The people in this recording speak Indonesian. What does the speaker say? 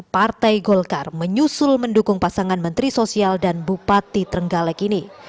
partai golkar menyusul mendukung pasangan menteri sosial dan bupati trenggalek ini